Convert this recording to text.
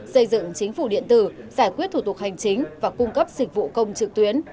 xây dựng chính phủ điện tử giải quyết thủ tục hành chính và cung cấp dịch vụ công trực tuyến